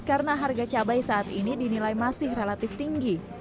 karena harga cabai saat ini dinilai masih relatif tinggi